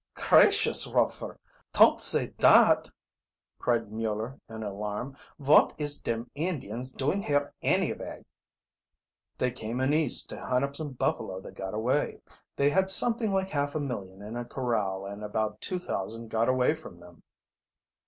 "Cracious, Rofer, ton't say dot!" cried Mueller in alarm. "Vot is dem Indians doing here annavay?" "They came in East to hunt up some buffalo that got away. They had something like half a million in a corral, and about two thousand got away from them."